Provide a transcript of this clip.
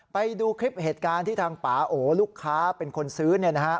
ไปดูคลิปเหตุการณ์ที่ทางป่าโอลูกค้าเป็นคนซื้อเนี่ยนะฮะ